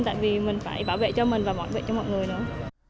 tại vì mình phải bảo vệ cho mình và bảo vệ cho mọi người nữa